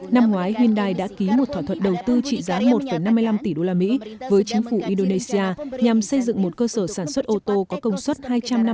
năm ngoái hyundai đã ký một thỏa thuận đầu tư trị giá một năm mươi năm tỷ đô la mỹ với chính phủ indonesia nhằm xây dựng một cơ sở sản xuất ô tô có công suất hai trăm năm mươi chiếc mỗi năm